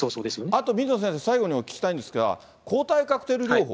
あと水野先生、最後にお聞きしたいんですが、抗体カクテル療法。